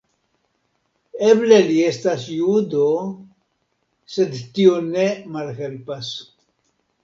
Eble li estas judo, sed tio ne malhelpas.